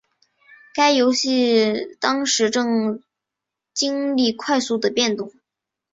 该游戏当时正经历快速的变动。